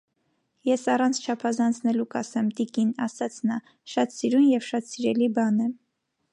- Ես առանց չափազանցելու կասեմ, տիկին,- ասաց նա,- շատ սիրուն և շատ սիրելի բան է: